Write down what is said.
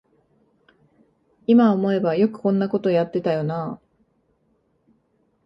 いま思えばよくこんなことやってたよなあ